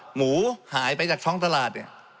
หมูหายไปจากช้องตลาด๕๐๖๐